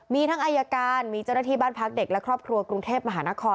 มีทั้งอายการมีเจ้าหน้าที่บ้านพักเด็กและครอบครัวกรุงเทพมหานคร